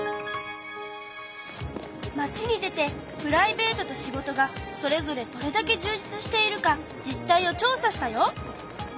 街に出てプライベートと仕事がそれぞれどれだけ充実しているか実態を調査したよ。